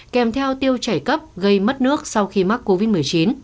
kèm theo tiêu chảy cấp gây mất nước sau khi mắc covid một mươi chín